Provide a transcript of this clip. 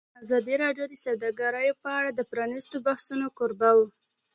ازادي راډیو د سوداګري په اړه د پرانیستو بحثونو کوربه وه.